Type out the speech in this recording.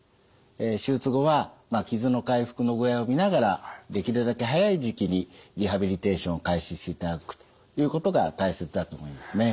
手術後は傷の回復の具合を見ながらできるだけ早い時期にリハビリテーションを開始していただくということが大切だと思いますね。